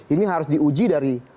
ini harus diuji dari